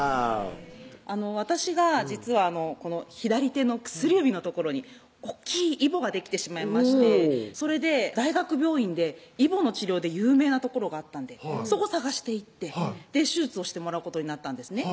私が実は左手の薬指の所に大っきいイボができてしまいましてそれで大学病院でイボの治療で有名な所があったんでそこ探して行って手術をしてもらうことになったんですね